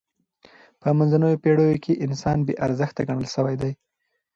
به منځنیو پېړیو کښي انسان بې ارزښته ګڼل سوی دئ.